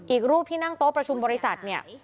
อีกรูปที่นั่งโต๊ะประชุมบริษัทเนี่ย